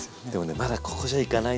まだここじゃいかないんですよ。